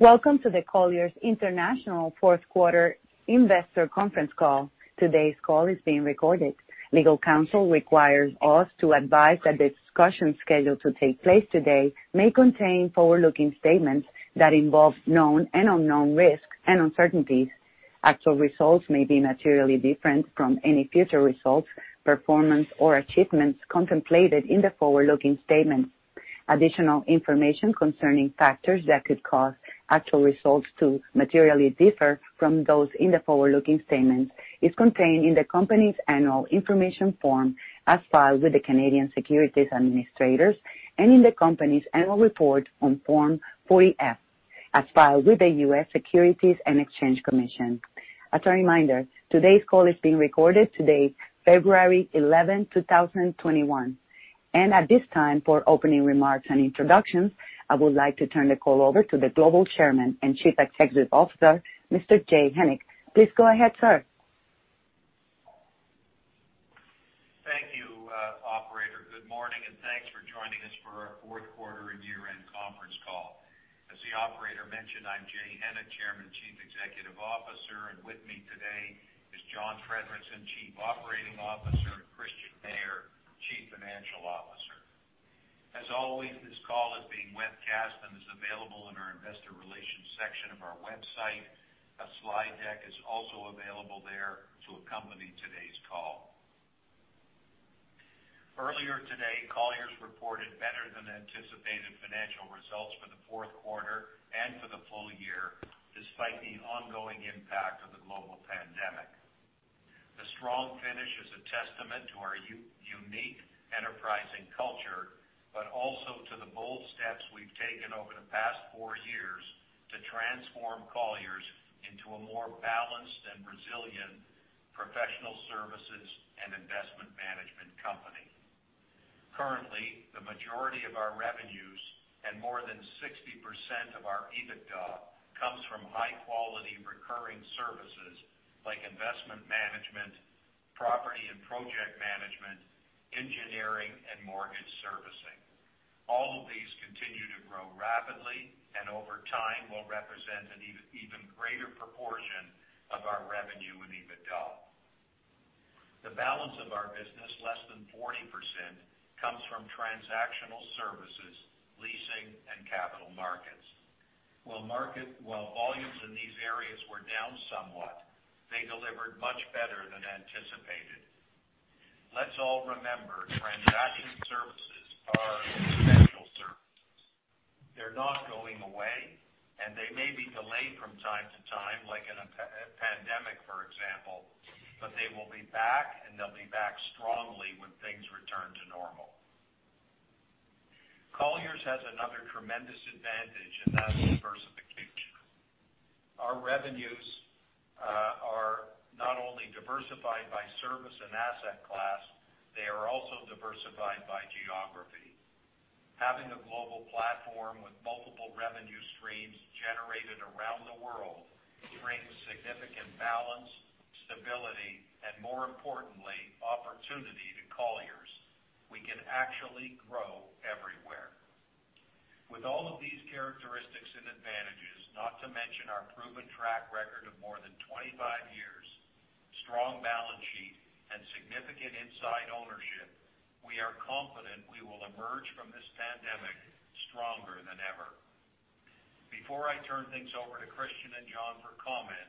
Welcome to the Colliers International fourth quarter investor conference call. Today's call is being recorded. Legal counsel requires us to advise that the discussion scheduled to take place today may contain forward-looking statements that involve known and unknown risks and uncertainties. Actual results may be materially different from any future results, performance, or achievements contemplated in the forward-looking statement. Additional information concerning factors that could cause actual results to materially differ from those in the forward-looking statement is contained in the company's annual information form as filed with the Canadian Securities Administrators and in the company's annual report on Form 40-F, as filed with the U.S. Securities and Exchange Commission. As a reminder, today's call is being recorded today, February 11, 2021. At this time, for opening remarks and introductions, I would like to turn the call over to the Global Chairman and Chief Executive Officer, Mr. Jay Hennick. Please go ahead, sir. Thank you, operator. Good morning, and thanks for joining us for our fourth quarter and year-end conference call. As the operator mentioned, I'm Jay Hennick, Chairman, Chief Executive Officer, and with me today is John Friedrichsen, Chief Operating Officer, and Christian Mayer, Chief Financial Officer. As always, this call is being webcast and is available in our Investor Relations section of our website. A slide deck is also available there to accompany today's call. Earlier today, Colliers reported better than anticipated financial results for the fourth quarter and for the full year, despite the ongoing impact of the global pandemic. The strong finish is a testament to our unique, enterprising culture, but also to the bold steps we've taken over the past four years to transform Colliers into a more balanced and resilient professional services and investment management company. Currently, the majority of our revenues and more than 60% of our EBITDA comes from high-quality recurring services like investment management, property and project management, engineering, and mortgage servicing. All of these continue to grow rapidly and over time will represent an even greater proportion of our revenue and EBITDA. The balance of our business, less than 40%, comes from transactional services, leasing, and capital markets. While volumes in these areas were down somewhat, they delivered much better than anticipated. Let's all remember, transactional services are essential services. They're not going away, and they may be delayed from time to time, like in a pandemic, for example, but they will be back, and they'll be back strongly when things return to normal. Colliers has another tremendous advantage, and that's diversification. Our revenues are not only diversified by service and asset class, they are also diversified by geography. Having a global platform with multiple revenue streams generated around the world brings significant balance, stability, and more importantly, opportunity to Colliers. We can actually grow everywhere. With all of these characteristics and advantages, not to mention our proven track record of more than 25 years, strong balance sheet, and significant inside ownership, we are confident we will emerge from this pandemic stronger than ever. Before I turn things over to Christian and John for comment,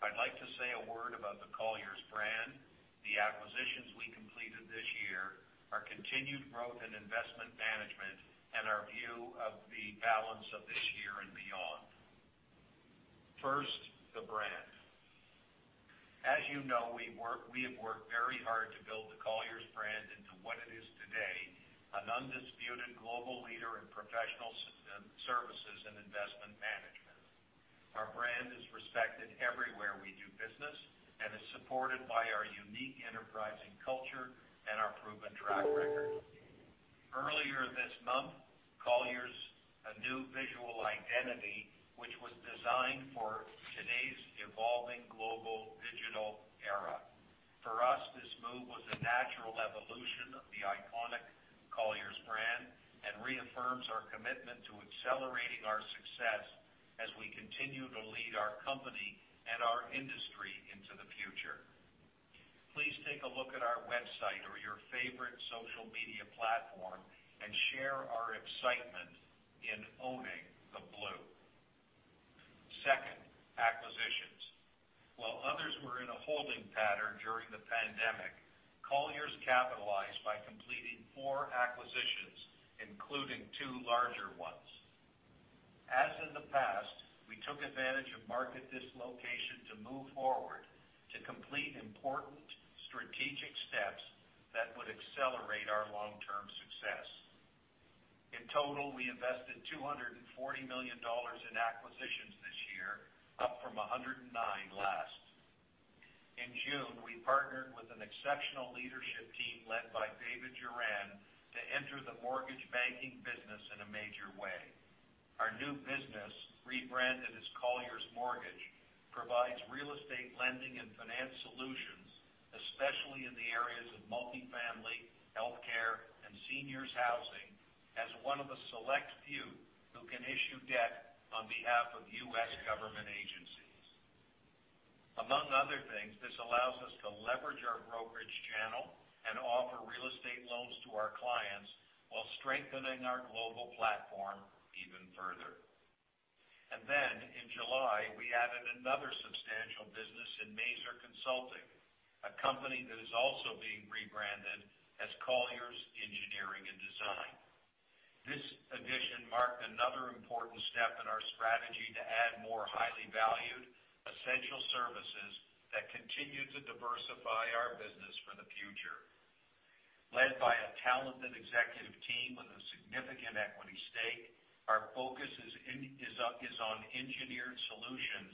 I'd like to say a word about the Colliers brand, the acquisitions we completed this year, our continued growth in investment management, and our view of the balance of this year and beyond. First, the brand. As you know, we have worked very hard to build the Colliers brand into what it is today, an undisputed global leader in professional services and investment management. Our brand is respected everywhere we do business and is supported by our unique enterprising culture and our proven track record. Earlier this month, Colliers' new visual identity, which was designed for today's evolving global digital era. For us, this move was a natural evolution of the iconic Colliers brand and reaffirms our commitment to accelerating our success as we continue to lead our company and our industry into the future. Please take a look at our website or your favorite social media platform and share our excitement in owning the blue. Second, acquisitions. While others were in a holding pattern during the pandemic, Colliers capitalized by completing four acquisitions, including two larger ones. As in the past, we took advantage of market dislocation to move forward to complete important strategic steps that would accelerate our long-term success. In total, we invested $240 million in acquisitions this year, up from $109 last. In June, we partnered with an exceptional leadership team led by David Duran to enter the mortgage banking business in a major way. Our new business, rebranded as Colliers Mortgage, provides real estate lending and finance solutions, especially in the areas of multifamily healthcare and Seniors Housing, as one of a select few who can issue debt on behalf of U.S. government agencies. Among other things, this allows us to leverage our brokerage channel and offer real estate loans to our clients while strengthening our global platform even further. Then in July, we added another substantial business in Maser Consulting, a company that is also being rebranded as Colliers Engineering & Design. This addition marked another important step in our strategy to add more highly valued, essential services that continue to diversify our business for the future. Led by a talented executive team with a significant equity stake, our focus is on engineered solutions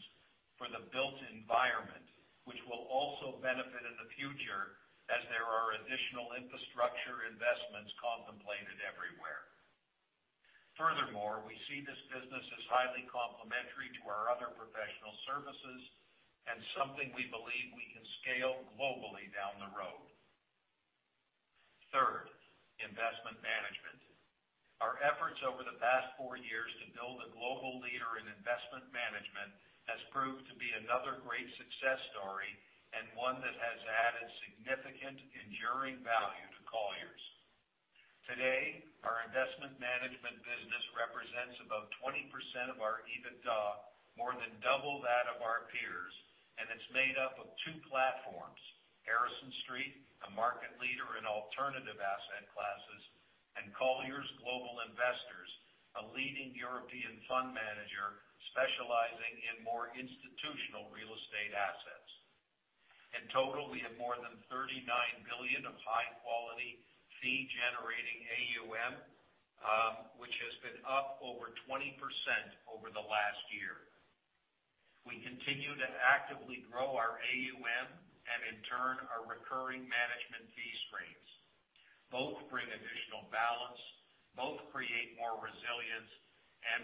for the built environment, which will also benefit in the future as there are additional infrastructure investments contemplated everywhere. Furthermore, we see this business as highly complementary to our other professional services and something we believe we can scale globally down the road. Third, investment management. Our efforts over the past four years to build a global leader in investment management has proved to be another great success story and one that has added significant enduring value to Colliers. Today, our investment management business represents about 20% of our EBITDA, more than double that of our peers, and it's made up of two platforms, Harrison Street, a market leader in alternative asset classes, and Colliers Global Investors, a leading European fund manager specializing in more institutional real estate assets. In total, we have more than $39 billion of high-quality fee-generating AUM, which has been up over 20% over the last year. We continue to actively grow our AUM and in turn, our recurring management fee streams. Both bring additional balance, both create more resilience, and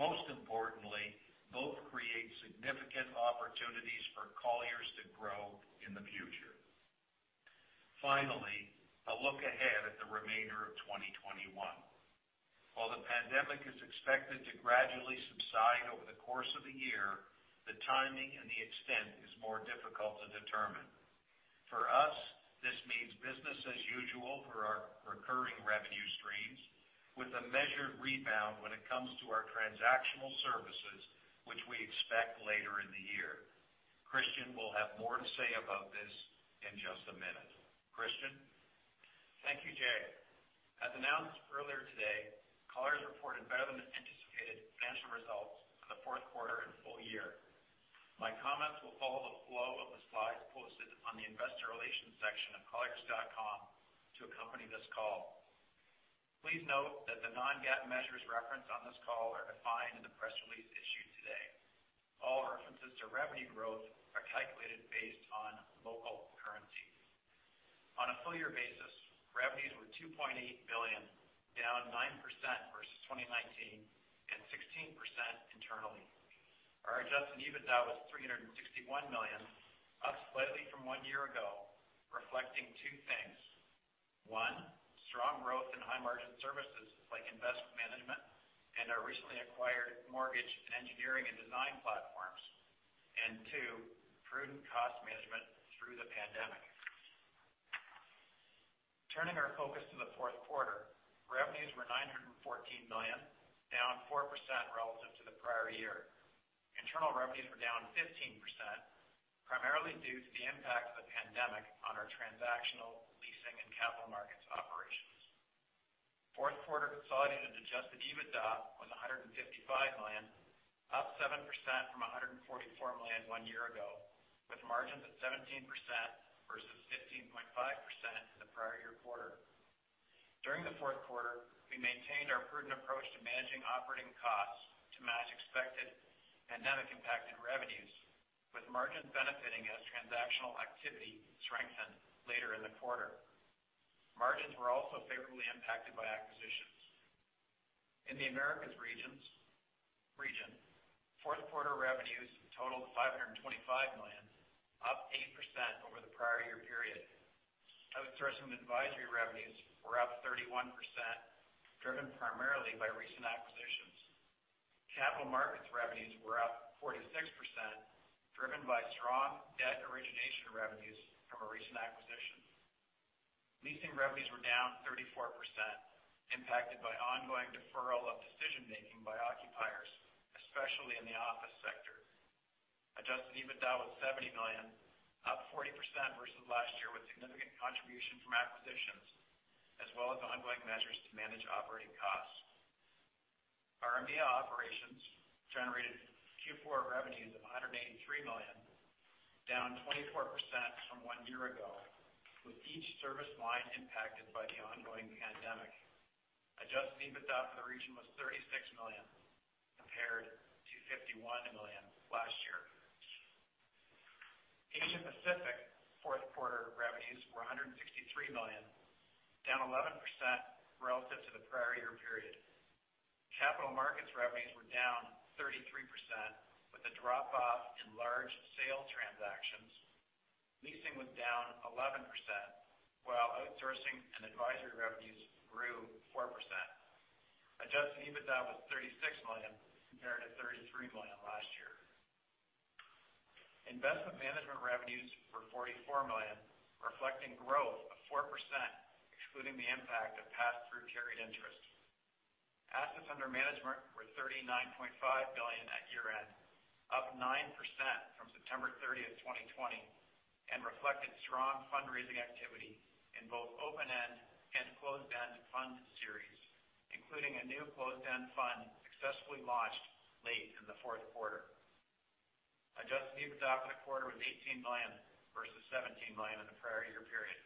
most importantly, both create significant opportunities for Colliers to grow in the future. Finally, a look ahead at the remainder of 2021. While the pandemic is expected to gradually subside over the course of the year, the timing and the extent is more difficult to determine. For us, this means business as usual for our recurring revenue streams with a measured rebound when it comes to our transactional services, which we expect later in the year. Christian will have more to say about this in just a minute. Christian? Thank you, Jay. As announced earlier today, Colliers reported better-than-anticipated financial results for the fourth quarter and full year. My comments will follow the flow of the slides posted on the Investor Relations section of colliers.com to accompany this call. Please note that the non-GAAP measures referenced on this call are defined in the press release issued today. All references to revenue growth are calculated based on local currency. On a full-year basis, revenues were $2.8 billion, down 9% versus 2019 and 16% internally. Our adjusted EBITDA was $361 million, up slightly from one year ago, reflecting two things. One, strong growth in high-margin services like investment management and our recently acquired Colliers Mortgage and Colliers Engineering & Design platforms. Two, prudent cost management through the pandemic. Turning our focus to the fourth quarter, revenues were $914 million, down 4% relative to the prior year. Internal revenues were down 15%, primarily due to the impact of the pandemic on our transactional leasing and capital markets operations. fourth quarter consolidated adjusted EBITDA was $155 million, up 7% from $144 million one year ago, with margins at 17% versus 15.5% in the prior year quarter. During the fourth quarter, we maintained our prudent approach to managing operating costs to match expected pandemic-impacted revenues, with margins benefiting as transactional activity strengthened later in the quarter. Margins were also favorably impacted by acquisitions. In the Americas region, fourth quarter revenues totaled $525 million, up 8% over the prior year period. Investment advisory revenues were up 31%, driven primarily by recent acquisitions. Capital markets revenues were up 46%, driven by strong debt origination revenues from a recent acquisition. Leasing revenues were down 34%, impacted by ongoing deferral of decision-making by occupiers, especially in the office sector. Adjusted EBITDA was $70 million, up 40% versus last year, with significant contribution from acquisitions as well as ongoing measures to manage operating costs. Our EMEA operations generated Q4 revenues of $183 million, down 24% from one year ago, with each service line impacted by the ongoing pandemic. Adjusted EBITDA for the region was $36 million compared to $51 million last year. Pacific fourth quarter revenues were $163 million, down 11% relative to the prior year period. Capital markets revenues were down 33%, with a drop-off in large sales transactions. Leasing was down 11%, while Outsourcing and Advisory revenues grew 4%. Adjusted EBITDA was $36 million, compared to $33 million last year. Investment management revenues were $44 million, reflecting growth of 4%, excluding the impact of pass-through carried interest. Assets under management were $39.5 billion at year-end, up 9% from September 30th, 2020, and reflected strong fundraising activity in both open-end and closed-end fund series, including a new closed-end fund successfully launched late in the fourth quarter. Adjusted EBITDA for the quarter was $18 million versus $17 million in the prior year period.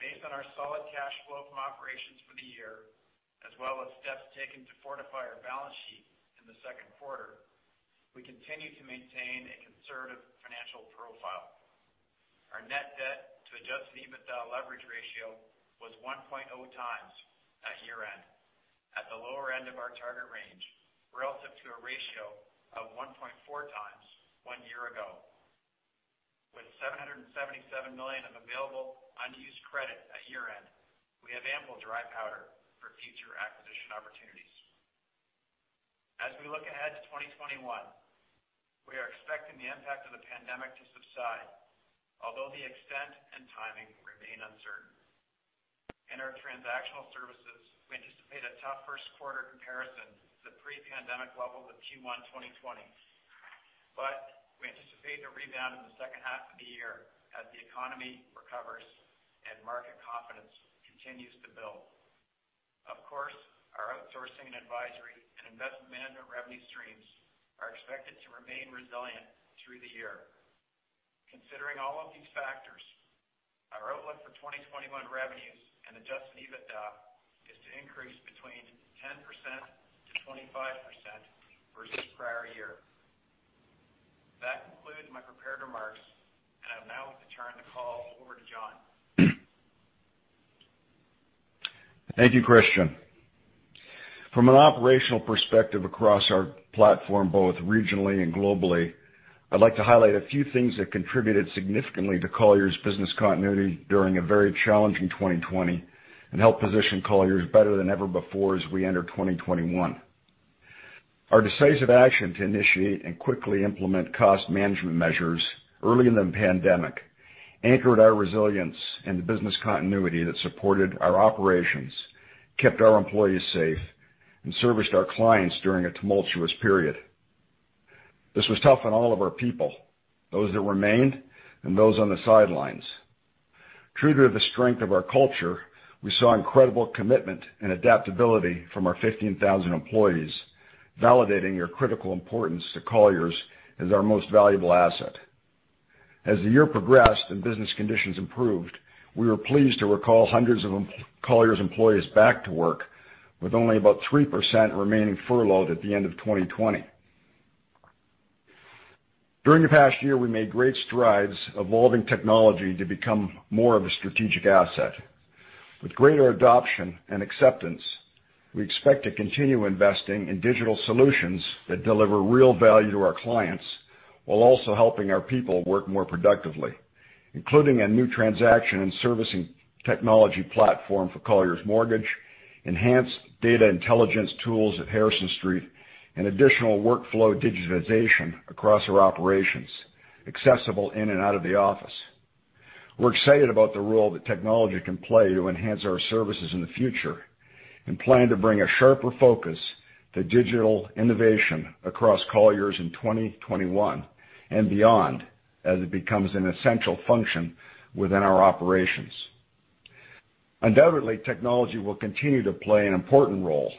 Based on our solid cash flow from operations for the year, as well as steps taken to fortify our balance sheet in the second quarter, we continue to maintain a conservative financial profile. Our net debt to adjusted EBITDA leverage ratio was 1.0x at year-end, at the lower end of our target range, relative to a ratio of 1.4x one year ago. With $777 million of available unused credit at year-end, we have ample dry powder for future acquisition opportunities. As we look ahead to 2021, we are expecting the impact of the pandemic to subside, although the extent and timing remain uncertain. In our transactional services, we anticipate a tough first quarter comparison to the pre-pandemic levels of Q1 2020. We anticipate a rebound in the second half of the year as the economy recovers and market confidence continues to build. Of course, our outsourcing and advisory and investment management revenue streams are expected to remain resilient through the year. Considering all of these factors, our outlook for 2021 revenues and adjusted EBITDA is to increase between 10%-25% versus prior year. That concludes my prepared remarks, and I'll now turn the call over to John. Thank you, Christian. From an operational perspective across our platform, both regionally and globally, I'd like to highlight a few things that contributed significantly to Colliers' business continuity during a very challenging 2020 and helped position Colliers better than ever before as we enter 2021. Our decisive action to initiate and quickly implement cost management measures early in the pandemic anchored our resilience and the business continuity that supported our operations, kept our employees safe, and serviced our clients during a tumultuous period. This was tough on all of our people, those that remained, and those on the sidelines. True to the strength of our culture, we saw incredible commitment and adaptability from our 15,000 employees, validating your critical importance to Colliers as our most valuable asset. As the year progressed and business conditions improved, we were pleased to recall hundreds of Colliers employees back to work with only about 3% remaining furloughed at the end of 2020. During the past year, we made great strides evolving technology to become more of a strategic asset. With greater adoption and acceptance, we expect to continue investing in digital solutions that deliver real value to our clients, while also helping our people work more productively, including a new transaction and servicing technology platform for Colliers Mortgage, enhanced data intelligence tools at Harrison Street, and additional workflow digitization across our operations, accessible in and out of the office. We're excited about the role that technology can play to enhance our services in the future and plan to bring a sharper focus to digital innovation across Colliers in 2021 and beyond as it becomes an essential function within our operations. Undoubtedly, technology will continue to play an important role.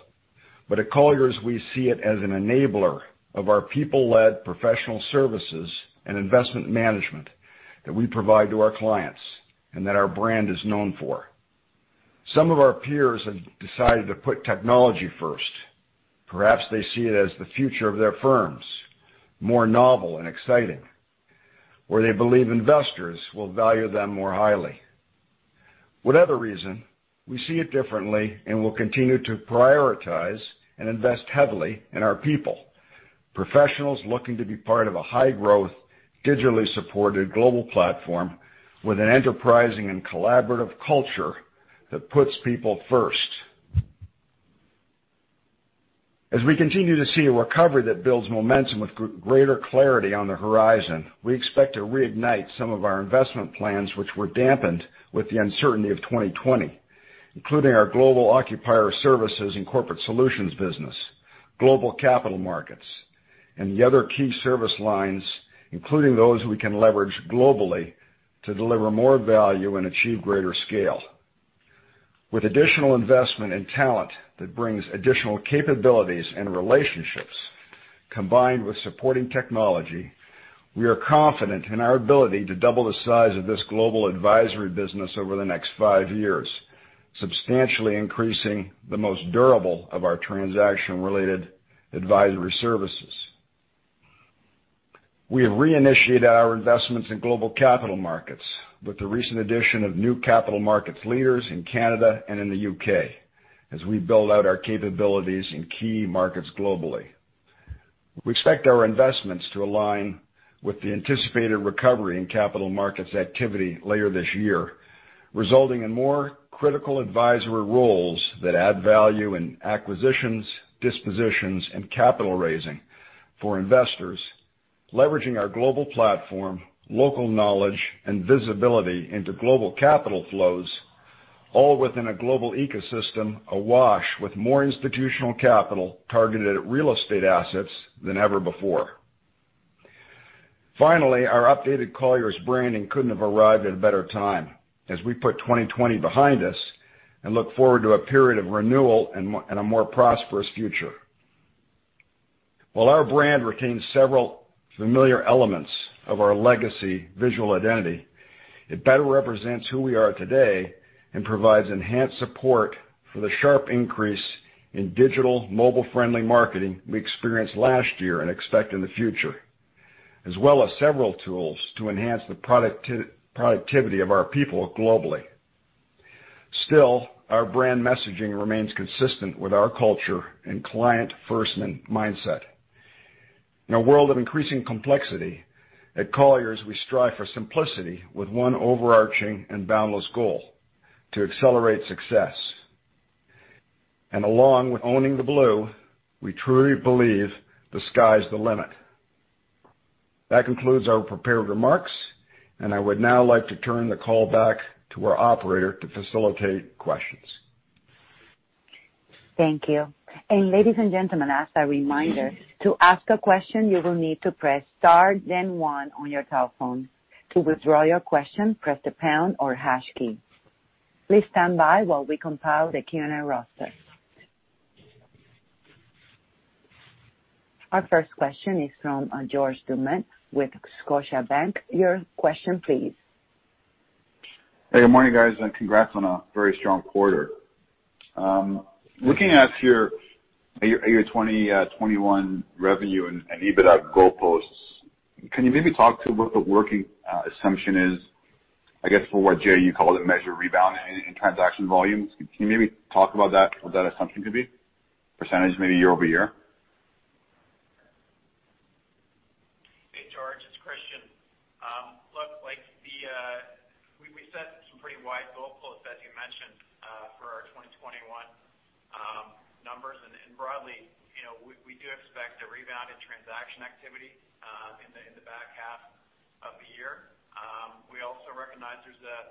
At Colliers, we see it as an enabler of our people-led professional services and investment management that we provide to our clients and that our brand is known for. Some of our peers have decided to put technology first. Perhaps they see it as the future of their firms, more novel and exciting, where they believe investors will value them more highly. Whatever reason, we see it differently and will continue to prioritize and invest heavily in our people, professionals looking to be part of a high-growth, digitally supported global platform with an enterprising and collaborative culture that puts people first. As we continue to see a recovery that builds momentum with greater clarity on the horizon, we expect to reignite some of our investment plans which were dampened with the uncertainty of 2020, including our global occupier services and corporate solutions business, global capital markets, and the other key service lines, including those we can leverage globally to deliver more value and achieve greater scale. With additional investment and talent that brings additional capabilities and relationships combined with supporting technology, we are confident in our ability to double the size of this global advisory business over the next five years, substantially increasing the most durable of our transaction-related advisory services. We have reinitiated our investments in global capital markets with the recent addition of new capital markets leaders in Canada and in the U.K. as we build out our capabilities in key markets globally. We expect our investments to align with the anticipated recovery in capital markets activity later this year, resulting in more critical advisory roles that add value in acquisitions, dispositions, and capital raising for investors, leveraging our global platform, local knowledge, and visibility into global capital flows, all within a global ecosystem awash with more institutional capital targeted at real estate assets than ever before. Our updated Colliers branding couldn't have arrived at a better time as we put 2020 behind us and look forward to a period of renewal and a more prosperous future. While our brand retains several familiar elements of our legacy visual identity, it better represents who we are today and provides enhanced support for the sharp increase in digital mobile-friendly marketing we experienced last year and expect in the future, as well as several tools to enhance the productivity of our people globally. Still, our brand messaging remains consistent with our culture and client-first mindset. In a world of increasing complexity, at Colliers, we strive for simplicity with one overarching and boundless goal, to accelerate success. Along with owning the blue, we truly believe the sky's the limit. That concludes our prepared remarks, and I would now like to turn the call back to our operator to facilitate questions. Thank you. Ladies and gentlemen, as a reminder, to ask a question, you will need to press star then one on your telephone. To withdraw your question, press the pound or hash key. Please stand by while we compile the Q&A roster. Our first question is from George Doumet with Scotiabank. Your question please. Hey, good morning, guys, and congrats on a very strong quarter. Looking at your 2021 revenue and EBITDA goalposts, can you maybe talk to what the working assumption is, I guess, for what, Jay, you called it measured rebound in transaction volumes? Can you maybe talk about that, what that assumption could be? Percentage, maybe year over year? Hey, George, it's Christian. Look, we set some pretty wide goalposts, as you mentioned, for our 2021 numbers. Broadly, we do expect a rebound in transaction activity in the back half of the year. We also recognize there's a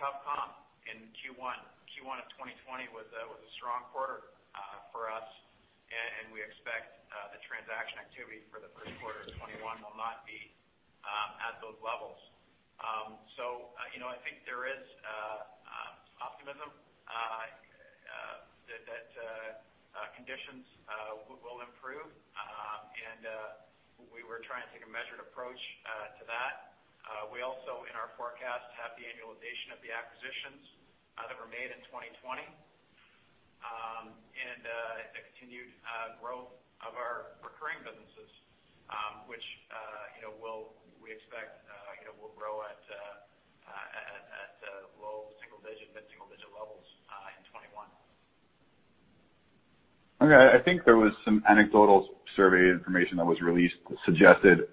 tough comp in Q1. Q1 of 2020 was a strong quarter for us. We expect the transaction activity for the first quarter of 2021 will not be at those levels. I think there is optimism that conditions will improve. We were trying to take a measured approach to that. We also, in our forecast, have the annualization of the acquisitions that were made in 2020, a continued growth of our recurring businesses, which we expect will grow at low-single-digit, mid-single digit levels in 2021. Okay. I think there was some anecdotal survey information that was released that suggested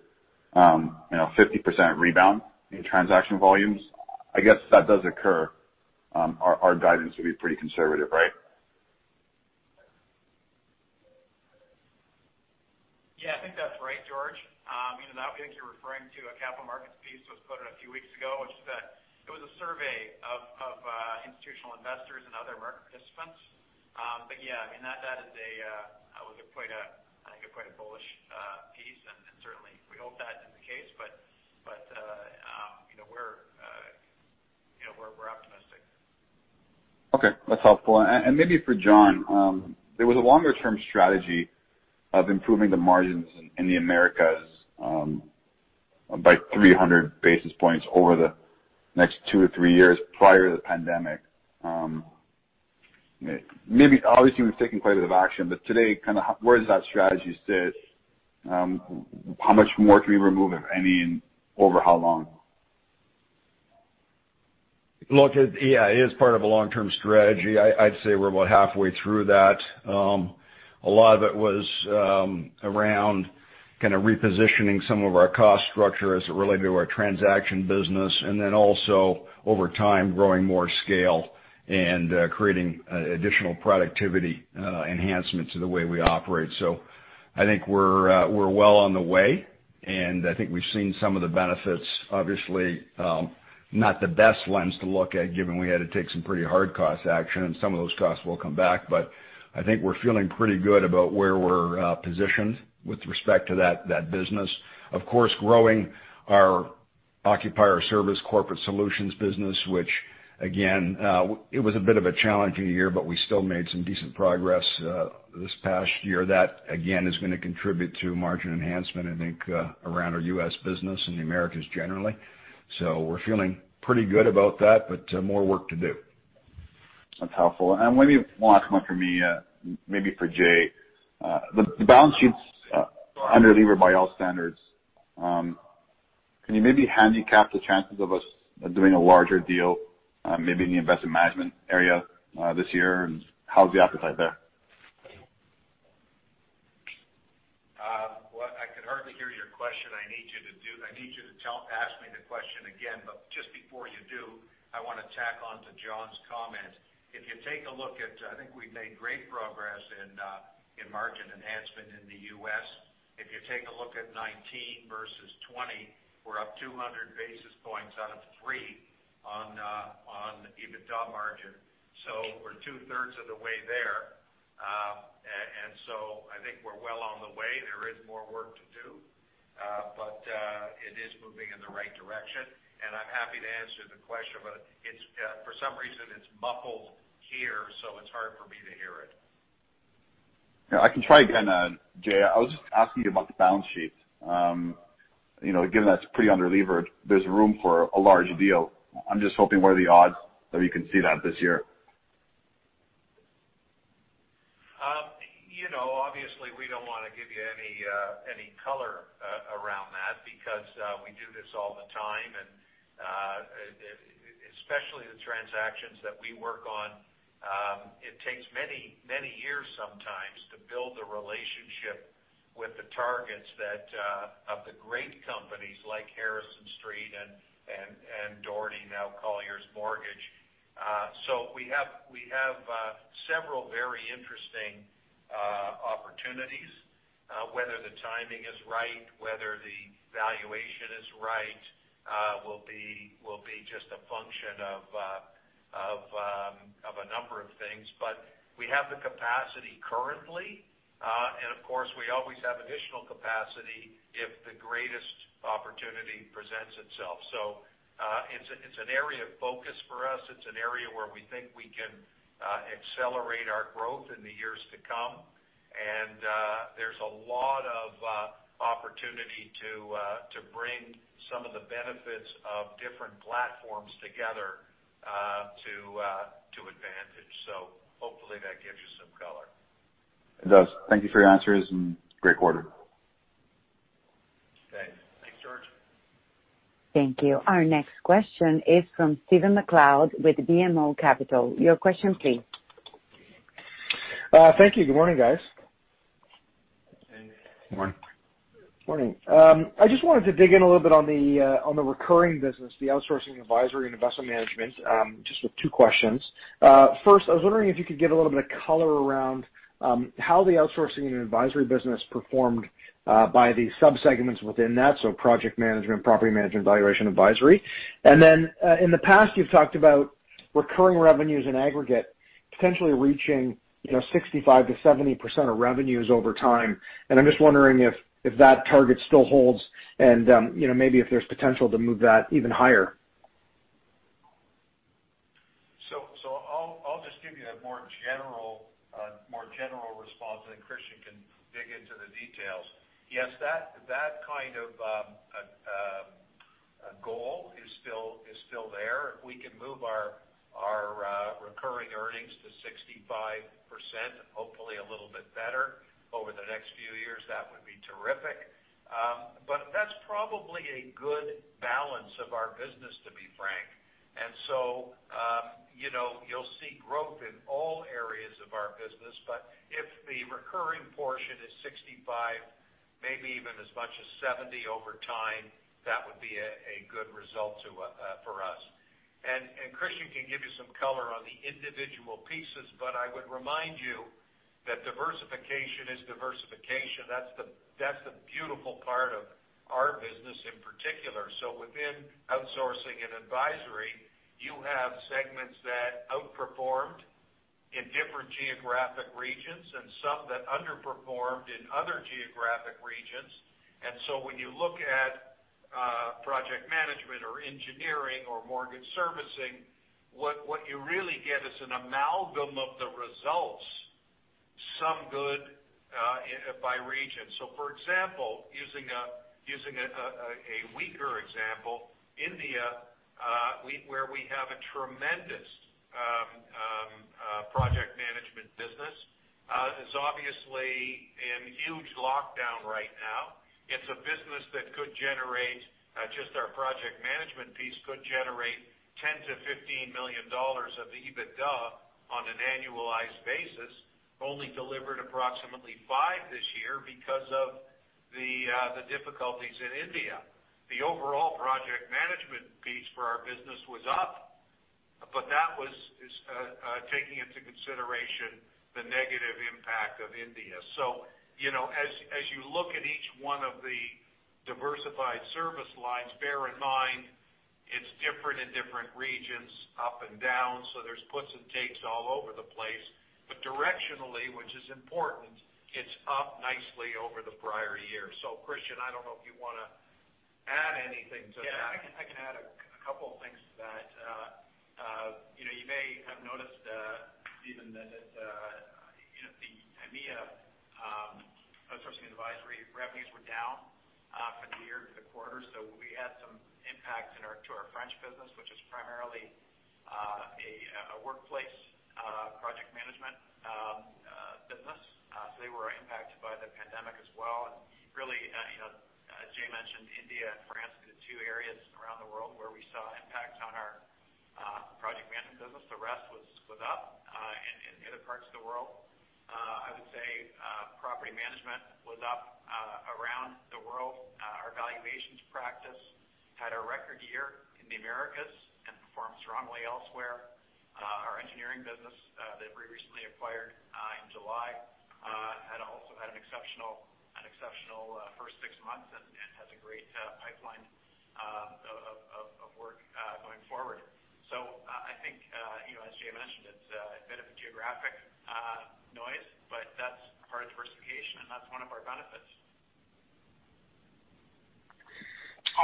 50% rebound in transaction volumes. I guess if that does occur, our guidance would be pretty conservative, right? Yeah, I think that's right, George. With that, I think you're referring to a capital markets piece that was put out a few weeks ago, which is that it was a survey of institutional investors and other market participants. Yeah, that was quite a bullish piece, and certainly, we hope that's the case, but we're optimistic. Okay, that's helpful. Maybe for John, there was a longer-term strategy of improving the margins in the Americas by 300 basis points over the next two to three years prior to the pandemic. Obviously, we've taken quite a bit of action, but today, where does that strategy sit? How much more can we remove, if any, and over how long? Look, yeah, it is part of a long-term strategy. I'd say we're about halfway through that. A lot of it was around kind of repositioning some of our cost structure as it related to our transaction business. Also over time, growing more scale and creating additional productivity enhancements to the way we operate. I think we're well on the way, and I think we've seen some of the benefits. Obviously, not the best lens to look at, given we had to take some pretty hard cost action, and some of those costs will come back. I think we're feeling pretty good about where we're positioned with respect to that business. Of course, growing our occupier service corporate solutions business, which again, it was a bit of a challenging year. We still made some decent progress this past year. That, again, is going to contribute to margin enhancement, I think, around our U.S. business and the Americas generally. We're feeling pretty good about that, but more work to do. That's helpful. One last one from me, maybe for Jay. The balance sheet's underlevered by all standards. Can you maybe handicap the chances of us doing a larger deal, maybe in the investment management area this year, and how's the appetite there? Well, I could hardly hear your question. I need you to ask me the question again, but just before you do, I want to tack onto John's comment. I think we've made great progress in margin enhancement in the U.S. If you take a look at 2019 versus 2020, we're up 200 basis points out of three on EBITDA margin. We're 2/3 of the way there. I think we're well on the way. There is more work to do. It is moving in the right direction, and I'm happy to answer the question. For some reason, it's muffled here, so it's hard for me to hear it. Yeah, I can try again, Jay. I was just asking you about the balance sheet. Given that it's pretty underlevered, there's room for a large deal. I'm just hoping, what are the odds that we can see that this year? Obviously, we don't want to give you any color around that because we do this all the time. Especially the transactions that we work on, it takes many years sometimes to build the relationship with the targets of the great companies like Harrison Street and Dougherty, now Colliers Mortgage. We have several very interesting opportunities. Whether the timing is right, whether the valuation is right, will be just a function of a number of things. We have the capacity currently. Of course, we always have additional capacity if the greatest opportunity presents itself. It's an area of focus for us. It's an area where we think we can accelerate our growth in the years to come. There's a lot of opportunity to bring some of the benefits of different platforms together to advantage. Hopefully that gives you some color. It does. Thank you for your answers and great quarter. Okay. Thanks, George. Thank you. Our next question is from Stephen MacLeod with BMO Capital. Your question, please. Thank you. Good morning, guys. Hey. Morning. Morning. I just wanted to dig in a little bit on the recurring business, the outsourcing advisory and investment management, just with two questions. First, I was wondering if you could give a little bit of color around how the outsourcing and advisory business performed by the subsegments within that, so project management, property management, valuation advisory. Then in the past, you've talked about recurring revenues in aggregate potentially reaching 65%-70% of revenues over time. I'm just wondering if that target still holds and maybe if there's potential to move that even higher. I'll just give you a more general response, and then Christian can dig into the details. Yes, that kind of goal is still there. If we can move our recurring earnings to 65%, hopefully a little bit better over the next few years, that would be terrific. That's probably a good balance of our business, to be frank. You'll see growth in all areas of our business, but if the recurring portion is 65%, maybe even as much as 70% over time, that would be a good result for us. Christian can give you some color on the individual pieces, but I would remind you that diversification is diversification. That's the beautiful part of our business in particular. Within outsourcing and advisory, you have segments that outperformed in different geographic regions and some that underperformed in other geographic regions. When you look at project management or engineering or mortgage servicing, what you really get is an amalgam of the results, some good by region. For example, using a weaker example, India, where we have a tremendous project management business, is obviously in huge lockdown right now. Just our project management piece could generate $10 million-$15 million of EBITDA on an annualized basis. Only delivered approximately $5 million this year because of the difficulties in India. The overall project management piece for our business was up, that was taking into consideration the negative impact of India. As you look at each one of the diversified service lines, bear in mind it's different in different regions, up and down, there's puts and takes all over the place. Directionally, which is important, it's up nicely over the prior year. Christian, I don't know if you want to add anything to that. Yeah, I can add a couple things to that. You may have noticed, Stephen, that the EMEA Advisory revenues were down for the year, the quarter. We had some impact to our French business, which is primarily a workplace project management business. They were impacted by the pandemic as well. Really, as Jay mentioned, India and France are the two areas around the world where we saw impact on our project management business. The rest was up in the other parts of the world. I would say property management was up around the world. Our valuations practice had a record year in the Americas and performed strongly elsewhere. Our engineering business that we recently acquired in July had also had an exceptional first six months and has a great pipeline of work going forward. I think, as Jay mentioned, it's a bit of a geographic noise. That's part of diversification, and that's one of our benefits.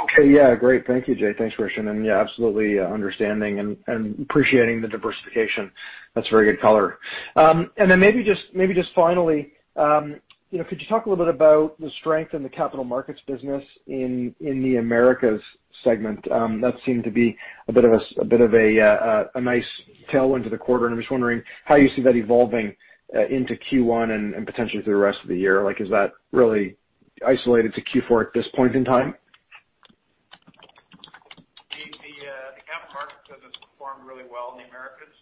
Okay. Yeah, great. Thank you, Jay. Thanks, Christian. Yeah, absolutely understanding and appreciating the diversification. That's very good color. Then maybe just finally, could you talk a little bit about the strength in the capital markets business in the Americas segment? That seemed to be a bit of a nice tailwind to the quarter, and I'm just wondering how you see that evolving into Q1 and potentially through the rest of the year. Is that really isolated to Q4 at this point in time? The capital markets business performed really well in the Americas.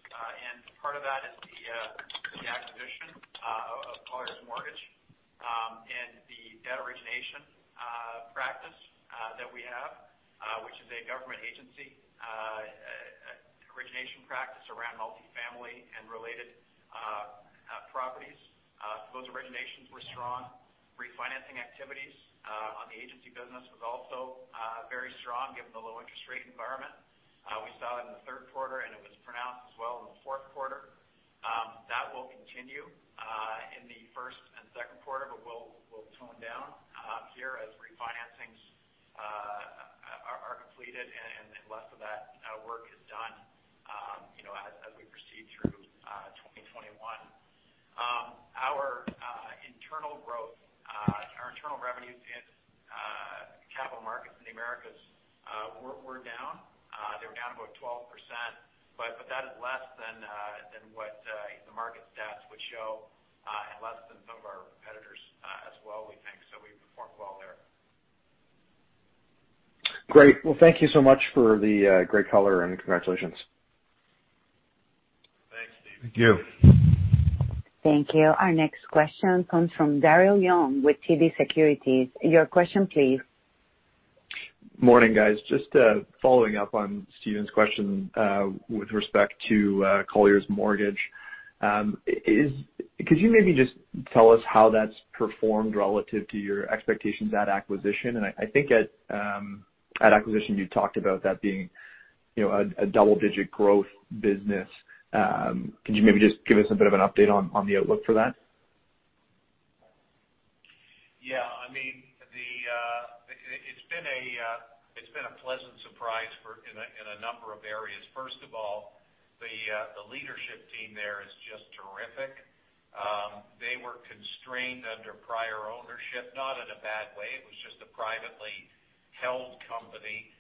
Part of that is the acquisition of Colliers Mortgage and the debt origination practice that we have, which is a government agency origination practice around multifamily and related properties. Those originations were strong. Refinancing activities on the agency business was also very strong given the low interest rate environment. We saw it in the third quarter. It was pronounced as well in the fourth quarter. That will continue in the first and second quarter. It will tone down here as refinancings are completed and less of that work is done as we proceed through 2021. Our internal growth, our internal revenues in capital markets in the Americas were down. They were down about 12%. That is less than what the market stats would show and less than some of our competitors as well, we think. We performed well there. Great. Well, thank you so much for the great color and congratulations. Thanks, Stephen. Thank you. Thank you. Our next question comes from Daryl Young with TD Securities. Your question please. Morning, guys. Just following up on Stephen's question with respect to Colliers Mortgage. Could you maybe just tell us how that's performed relative to your expectations at acquisition? I think at acquisition, you talked about that being a double-digit growth business. Could you maybe just give us a bit of an update on the outlook for that? It's been a pleasant surprise in a number of areas. First of all, the leadership team there is just terrific. They were constrained under prior ownership, not in a bad way. It was just a privately held company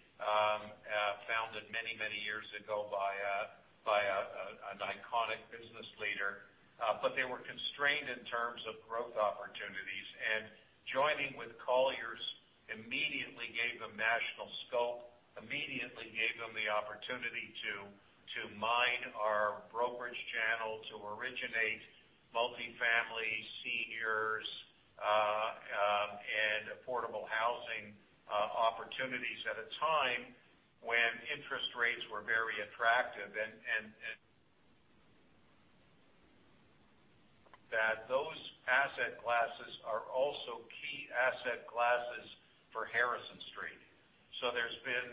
founded many years ago by an iconic business leader. They were constrained in terms of growth opportunities, and joining with Colliers immediately gave them national scope, immediately gave them the opportunity to mine our brokerage channel to originate multifamily, seniors, and affordable housing opportunities at a time when interest rates were very attractive. That those asset classes are also key asset classes for Harrison Street. There's been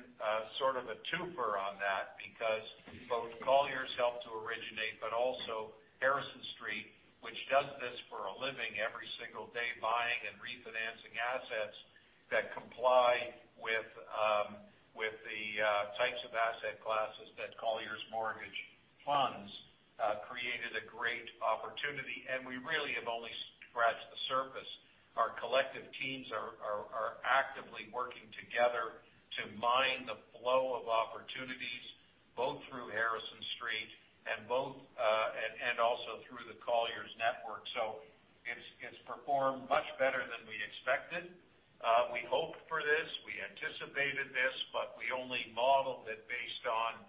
sort of a twofer on that because both Colliers helped to originate, but also Harrison Street, which does this for a living every single day, buying and refinancing assets that comply with the types of asset classes that Colliers Mortgage funds, created a great opportunity, and we really have only scratched the surface. Our collective teams are actively working together to mine the flow of opportunities, both through Harrison Street and also through the Colliers network. It's performed much better than we expected. We hoped for this, we anticipated this, but we only modeled it based on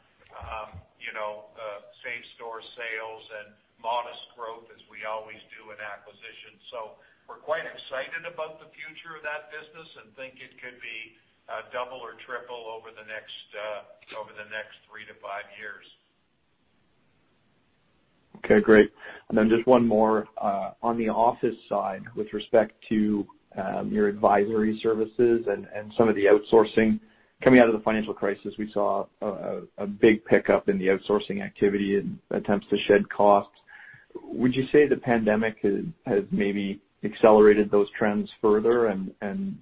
same-store sales and modest growth as we always do in acquisitions. We're quite excited about the future of that business and think it could be double or triple over the next 3-5 years. Okay, great. Just one more. On the office side, with respect to your advisory services and some of the outsourcing, coming out of the financial crisis, we saw a big pickup in the outsourcing activity in attempts to shed costs. Would you say the pandemic has maybe accelerated those trends further?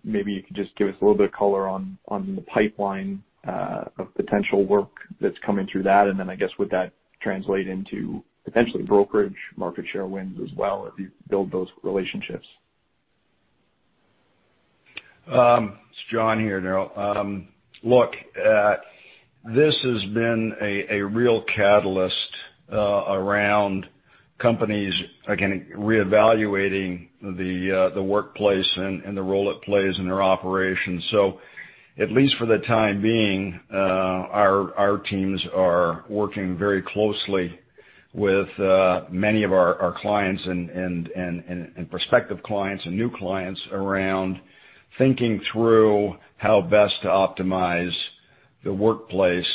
Maybe you could just give us a little bit of color on the pipeline of potential work that's coming through that. I guess, would that translate into potentially brokerage market share wins as well as you build those relationships? It's John here, Daryl. Look, this has been a real catalyst around companies, again, reevaluating the workplace and the role it plays in their operations. At least for the time being, our teams are working very closely with many of our clients and prospective clients and new clients around thinking through how best to optimize the workplace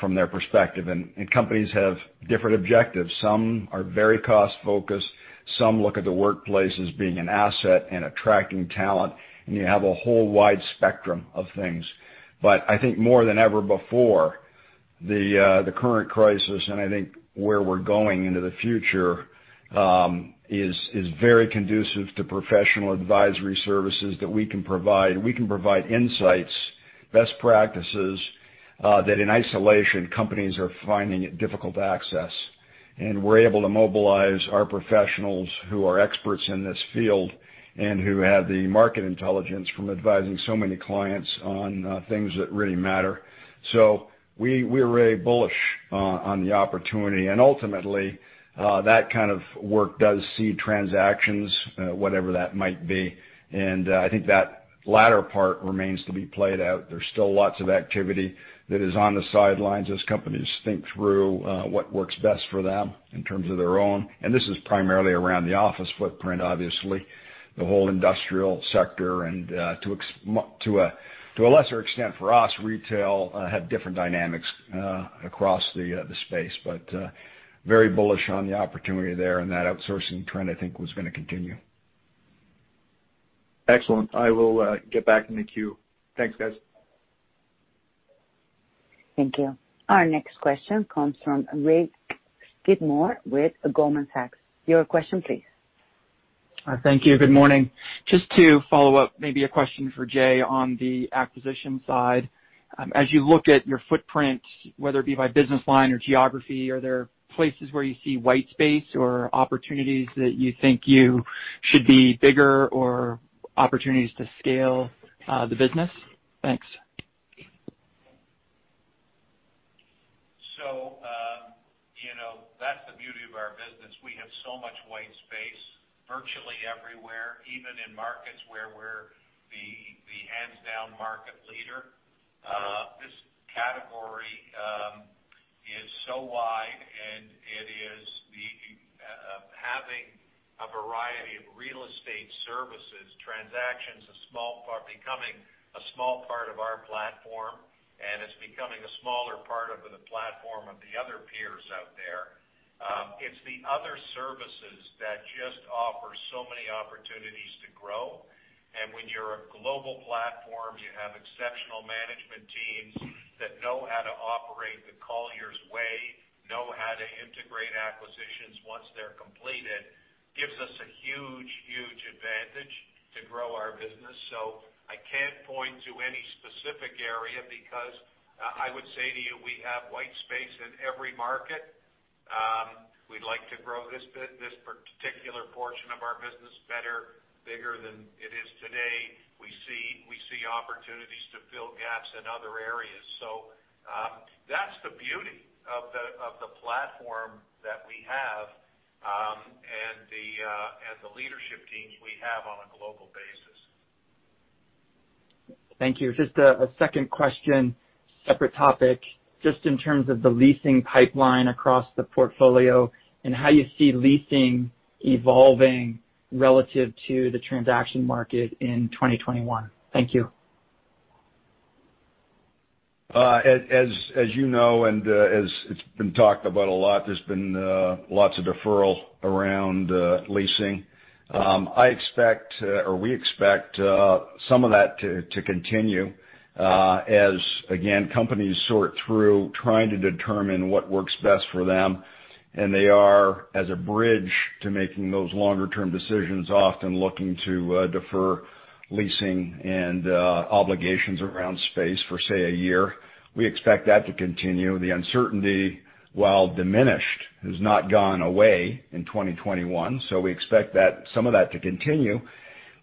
from their perspective. Companies have different objectives. Some are very cost-focused. Some look at the workplace as being an asset in attracting talent, and you have a whole wide spectrum of things. I think more than ever before, the current crisis, and I think where we're going into the future, is very conducive to professional advisory services that we can provide. We can provide insights, best practices, that in isolation, companies are finding it difficult to access. We're able to mobilize our professionals who are experts in this field and who have the market intelligence from advising so many clients on things that really matter. We're very bullish on the opportunity. Ultimately, that kind of work does see transactions, whatever that might be. I think that latter part remains to be played out. There's still lots of activity that is on the sidelines as companies think through what works best for them in terms of their own. This is primarily around the office footprint, obviously, the whole industrial sector, and to a lesser extent for us, retail had different dynamics across the space. Very bullish on the opportunity there, and that outsourcing trend, I think, was going to continue. Excellent. I will get back in the queue. Thanks, guys. Thank you. Our next question comes from Rick Skidmore with Goldman Sachs. Your question please. Thank you. Good morning. Just to follow up, maybe a question for Jay on the acquisition side. As you look at your footprint, whether it be by business line or geography, are there places where you see white space or opportunities that you think you should be bigger or opportunities to scale the business? Thanks. That's the beauty of our business. We have so much white space virtually everywhere, even in markets where we're the hands-down market leader. This category is so wide. Having a variety of real estate services, transactions are becoming a small part of our platform, it's becoming a smaller part of the platform of the other peers out there. It's the other services that just offer so many opportunities to grow. When you're a global platform, you have exceptional management teams that know how to operate the Colliers way, know how to integrate acquisitions once they're completed, gives us a huge advantage to grow our business. I can't point to any specific area because I would say to you, we have white space in every market. We'd like to grow this particular portion of our business better, bigger than it is today. We see opportunities to fill gaps in other areas. That's the beauty of the platform that we have, and the leadership team we have on a global basis. Thank you. Just a second question, separate topic, just in terms of the leasing pipeline across the portfolio and how you see leasing evolving relative to the transaction market in 2021. Thank you. As you know, and as it's been talked about a lot, there's been lots of deferral around leasing. We expect some of that to continue as, again, companies sort through trying to determine what works best for them, and they are, as a bridge to making those longer-term decisions, often looking to defer leasing and obligations around space for, say, a year. We expect that to continue. The uncertainty, while diminished, has not gone away in 2021, so we expect some of that to continue.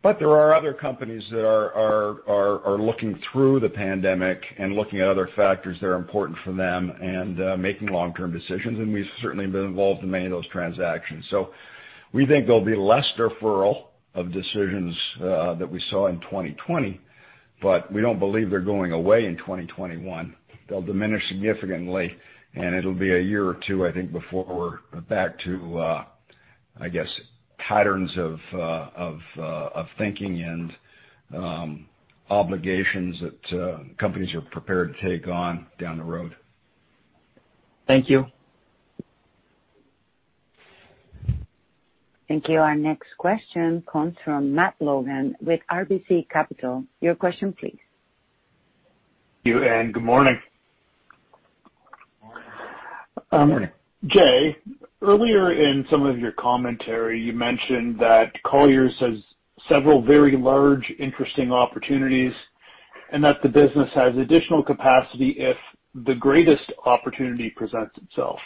There are other companies that are looking through the pandemic and looking at other factors that are important for them and making long-term decisions, and we've certainly been involved in many of those transactions. We think there'll be less deferral of decisions that we saw in 2020, but we don't believe they're going away in 2021. They'll diminish significantly. It'll be a year or two, I think, before we're back to, I guess, patterns of thinking and obligations that companies are prepared to take on down the road. Thank you. Thank you. Our next question comes from Matt Logan with RBC Capital. Your question please. Thank you, and good morning. Morning. Morning. Jay, earlier in some of your commentary, you mentioned that Colliers has several very large, interesting opportunities and that the business has additional capacity if the greatest opportunity presents itself.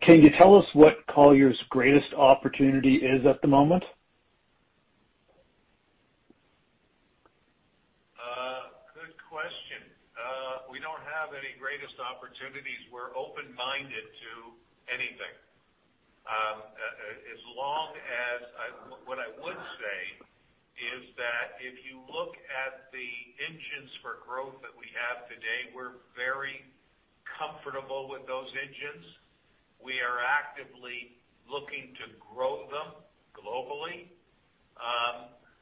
Can you tell us what Colliers' greatest opportunity is at the moment? Good question. We don't have any greatest opportunities. We're open-minded to anything. What I would say is that if you look at the engines for growth that we have today, we're very comfortable with those engines. We are actively looking to grow them globally.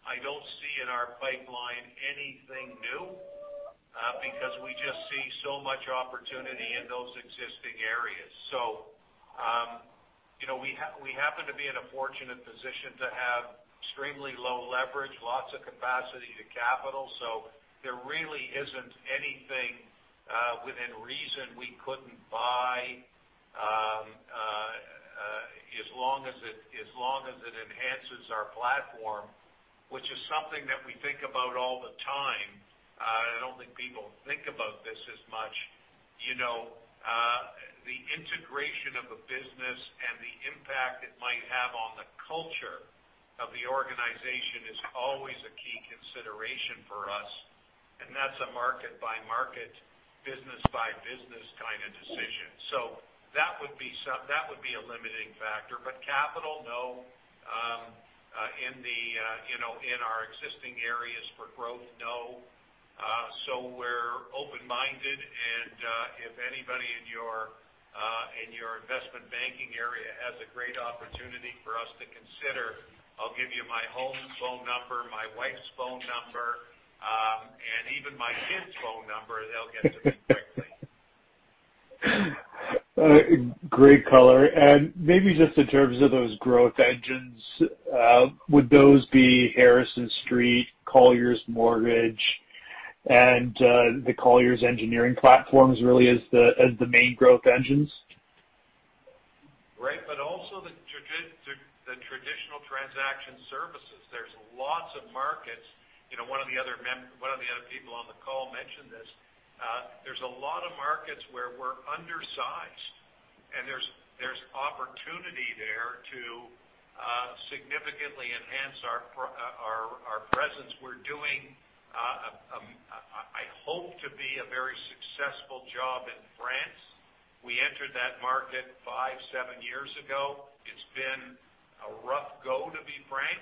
I don't see in our pipeline anything new, because we just see so much opportunity in those existing areas. We happen to be in a fortunate position to have extremely low leverage, lots of capacity to capital. There really isn't anything within reason we couldn't buy as long as it enhances our platform, which is something that we think about all the time. I don't think people think about this as much. The integration of a business and the impact it might have on the culture of the organization is always a key consideration for us, and that's a market-by-market, business-by-business kind of decision. That would be a limiting factor. Capital, no. In our existing areas for growth, no. We're open-minded and if anybody in your investment banking area has a great opportunity for us to consider, I'll give you my home phone number, my wife's phone number, and even my kids' phone number. They'll get to me quickly. Great color. Maybe just in terms of those growth engines, would those be Harrison Street, Colliers Mortgage, and the Colliers engineering platforms really as the main growth engines? Right. Also the traditional transaction services. There's lots of markets. One of the other people on the call mentioned this. There's a lot of markets where we're undersized, and there's opportunity there to significantly enhance our presence. We're doing, I hope to be a very successful job in France. We entered that market five, seven years ago. It's been a rough go, to be frank.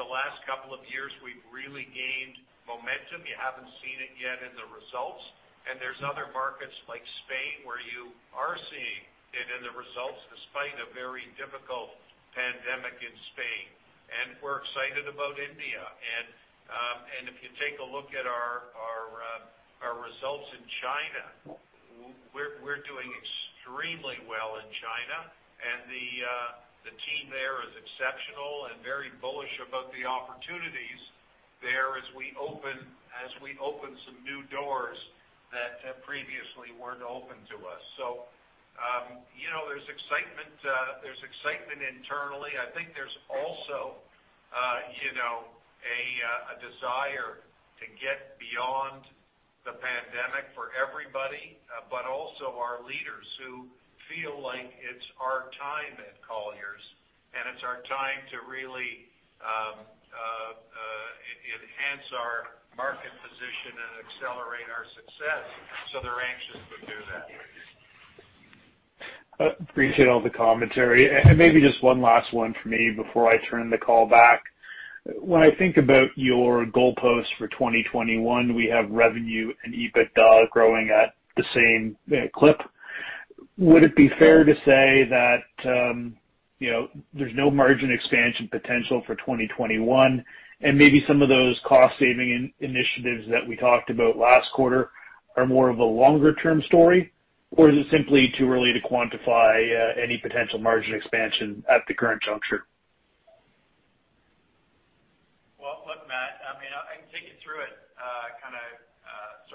The last couple of years, we've really gained momentum. You haven't seen it yet in the results. There's other markets like Spain where you are seeing it in the results, despite a very difficult pandemic in Spain. We're excited about India. If you take a look at our results in China, we're doing extremely well in China, and the team there is exceptional and very bullish about the opportunities there as we open some new doors that previously weren't open to us. There's excitement internally. I think there's also a desire to get beyond the pandemic for everybody. Also our leaders who feel like it's our time at Colliers, and it's our time to really enhance our market position and accelerate our success. They're anxious to do that. Appreciate all the commentary. Maybe just one last one from me before I turn the call back. When I think about your goalposts for 2021, we have revenue and EBITDA growing at the same clip. Would it be fair to say that there's no margin expansion potential for 2021 and maybe some of those cost-saving initiatives that we talked about last quarter are more of a longer-term story? Or is it simply too early to quantify any potential margin expansion at the current juncture?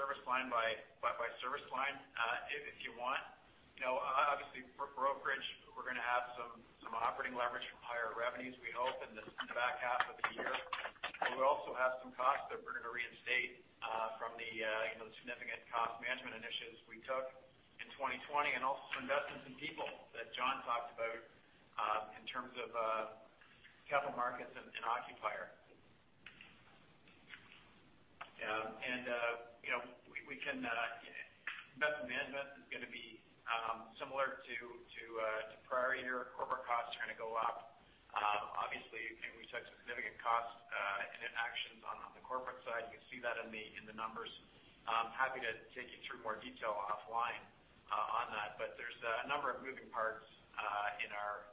Well, look, Matt, I can take you through it kind of service line by service line if you want. Obviously, for brokerage, we're going to have some operating leverage from higher revenues, we hope in the back half of the year. We also have some costs that we're going to reinstate from the significant cost management initiatives we took in 2020 and also some investments in people that John talked about in terms of capital markets and occupier. Investment management is going to be similar to prior year. Corporate costs are going to go up. Obviously, we took significant cost actions on the corporate side. You can see that in the numbers. Happy to take you through more detail offline on that. There's a number of moving parts in our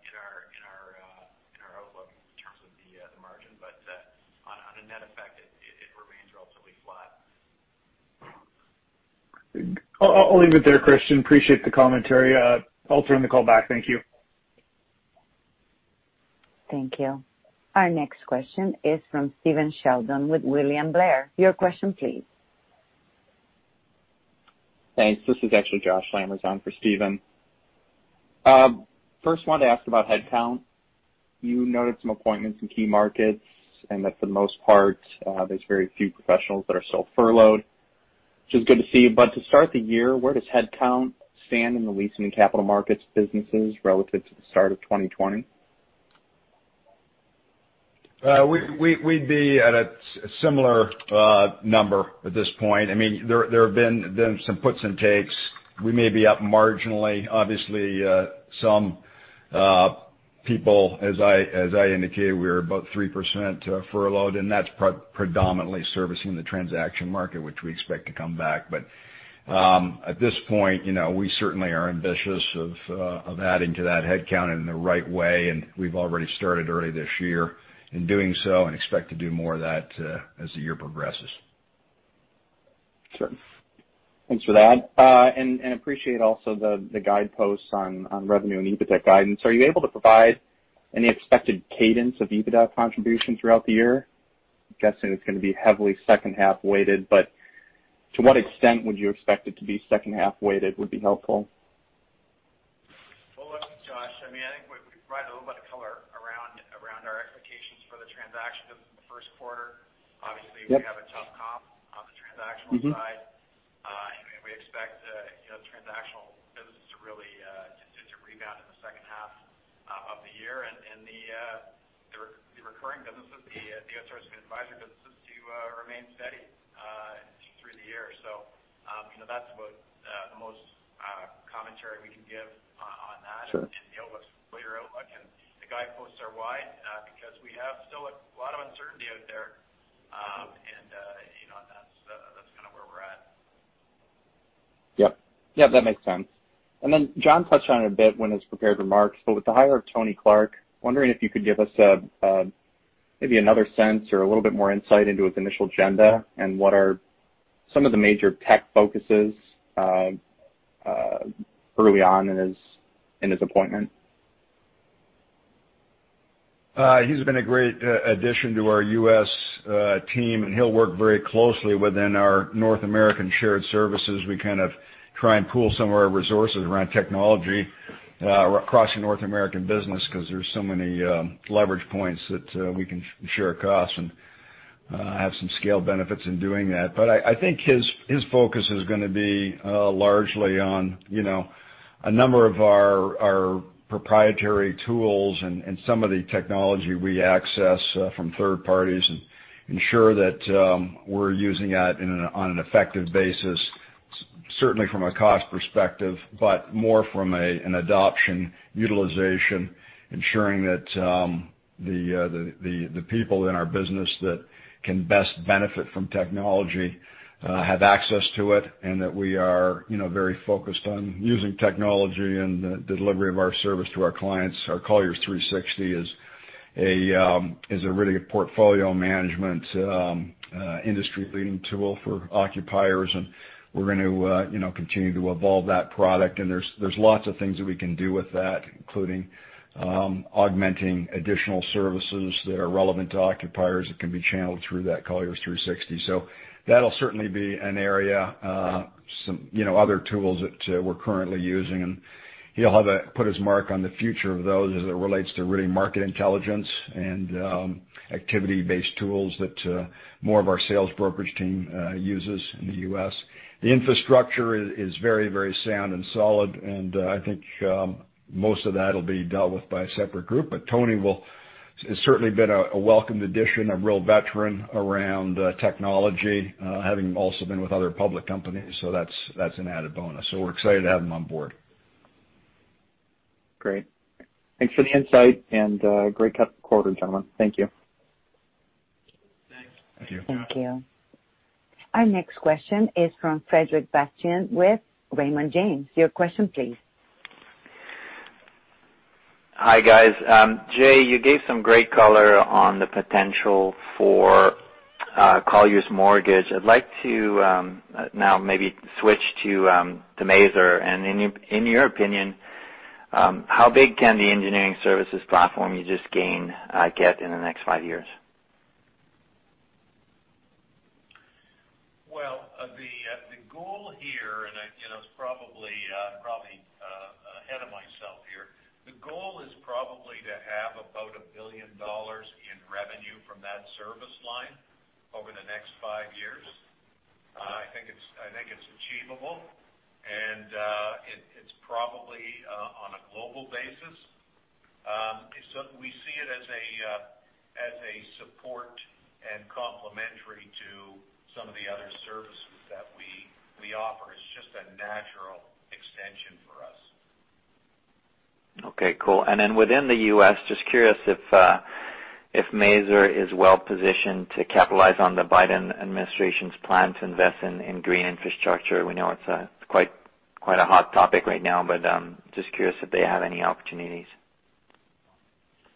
outlook in terms of the margin. On a net effect, it remains relatively flat. I'll leave it there, Christian. Appreciate the commentary. I'll turn the call back. Thank you. Thank you. Our next question is from Stephen Sheldon with William Blair. Your question please. Thanks. This is actually Josh Lamers on for Stephen. First wanted to ask about headcount. You noted some appointments in key markets, and that for the most part, there's very few professionals that are still furloughed, which is good to see. To start the year, where does headcount stand in the leasing and capital markets businesses relative to the start of 2020? We'd be at a similar number at this point. There have been some puts and takes. We may be up marginally. Obviously, some people, as I indicated, we were about 3% furloughed, and that's predominantly servicing the transaction market, which we expect to come back. At this point, we certainly are ambitious of adding to that headcount in the right way, and we've already started early this year in doing so and expect to do more of that as the year progresses. Sure. Thanks for that. Appreciate also the guideposts on revenue and EBITDA guidance. Are you able to provide any expected cadence of EBITDA contribution throughout the year? I'm guessing it's going to be heavily second half weighted, but to what extent would you expect it to be second half weighted would be helpful. Well, look, Josh, I think we provide a little bit of color around our expectations for the transaction business in the first quarter. Yep. Obviously, we have a tough comp on the transactional side. We expect the transactional business to really rebound in the second half of the year and the recurring businesses, the outsourcing advisory businesses to remain steady through the year. That's about the most commentary we can give on that. Sure. Deal with what your outlook and the guideposts are wide, because we have still a lot of uncertainty out there. That's kind of where we're at. Yep. That makes sense. John touched on it a bit when his prepared remarks, but with the hire of Tony Clark, wondering if you could give us maybe another sense or a little bit more insight into his initial agenda and what are some of the major tech focuses early on in his appointment? He's been a great addition to our U.S. team, and he'll work very closely within our North American shared services. We kind of try and pool some of our resources around technology across the North American business because there's so many leverage points that we can share costs and have some scale benefits in doing that. I think his focus is going to be largely on a number of our proprietary tools and some of the technology we access from third parties and ensure that we're using that on an effective basis, certainly from a cost perspective, but more from an adoption utilization, ensuring that the people in our business that can best benefit from technology have access to it, and that we are very focused on using technology in the delivery of our service to our clients. Our Colliers360 is a really good portfolio management industry-leading tool for occupiers, and we're going to continue to evolve that product. There's lots of things that we can do with that, including augmenting additional services that are relevant to occupiers that can be channeled through that Colliers360. That'll certainly be an area. Some other tools that we're currently using, and he'll have put his mark on the future of those as it relates to really market intelligence and activity-based tools that more of our sales brokerage team uses in the U.S. The infrastructure is very, very sound and solid, and I think most of that will be dealt with by a separate group. Tony has certainly been a welcomed addition, a real veteran around technology, having also been with other public companies. That's an added bonus, so we're excited to have him on board. Great. Thanks for the insight and great quarter, gentlemen. Thank you. Thanks. Thank you. Thank you. Our next question is from Frederic Bastien with Raymond James. Your question, please. Hi, guys. Jay, you gave some great color on the potential for Colliers Mortgage. I'd like to now maybe switch to Maser, and in your opinion, how big can the engineering services platform you just gained get in the next five years? Well, the goal here, and I was probably ahead of myself here. The goal is probably to have about $1 billion in revenue from that service line over the next five years. I think it's achievable, and it's probably on a global basis. We see it as a support and complementary to some of the other services that we offer. It's just a natural extension for us. Okay, cool. Then within the U.S., just curious if Maser is well-positioned to capitalize on the Biden administration's plan to invest in green infrastructure. We know it's quite a hot topic right now, but just curious if they have any opportunities.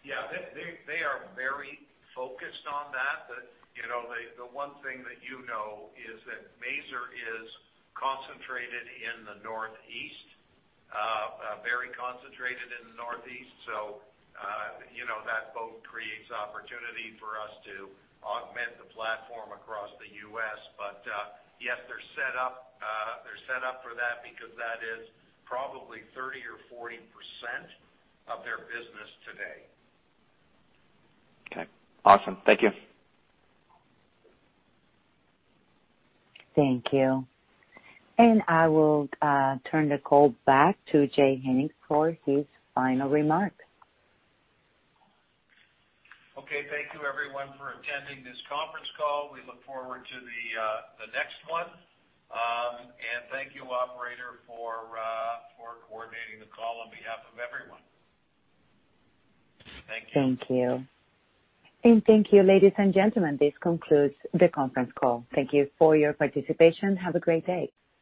Yeah. They are very focused on that. The one thing that you know is that Maser is concentrated in the Northeast. Very concentrated in the Northeast. That both creates opportunity for us to augment the platform across the U.S. Yes, they're set up for that because that is probably 30% or 40% of their business today. Okay, awesome. Thank you. Thank you. I will turn the call back to Jay Hennick for his final remarks. Okay. Thank you, everyone, for attending this conference call. We look forward to the next one. Thank you, operator, for coordinating the call on behalf of everyone. Thank you. Thank you. Thank you, ladies and gentlemen. This concludes the conference call. Thank you for your participation. Have a great day.